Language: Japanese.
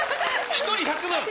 １人１００万。